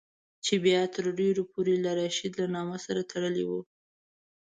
چې بیا تر ډېرو پورې له رشید له نامه سره تړلی وو.